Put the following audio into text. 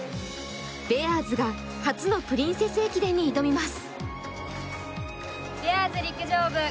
ベアーズが初のプリンセス駅伝に挑みます。